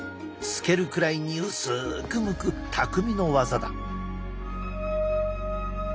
透けるくらいに薄くむく匠のワザだ。